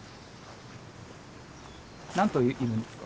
何頭いるんですか？